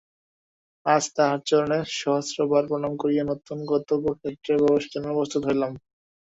আজ তাঁহার চরণে সহস্রবার প্রণাম করিয়া নূতন কর্তব্যক্ষেত্রে প্রবেশের জন্য প্রস্তুত হইলাম।